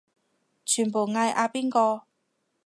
全部嗌阿邊個